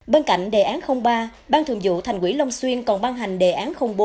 bên cạnh đề án ba ban thường vụ thành quỹ long xuyên còn ban hành đề án bốn